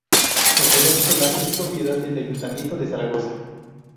El Reloj Solar es propiedad del Ayuntamiento de Zaragoza.